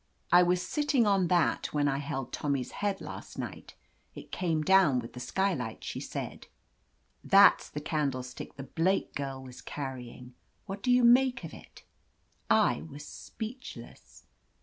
"I was sitting on that when I held Tommy's head last night. It came down with the sky light," she said. "That's the candlestick the 75 /• y u THE AMAZING ADVENTURES Blake girl was carrying. What do you make of it?'' I was speechless.